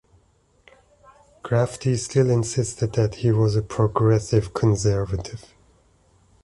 Grafftey still insisted that he was a "Progressive Conservative".